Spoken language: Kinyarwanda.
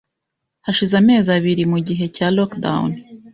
hashize amezi abiri mugihe cya Lockdown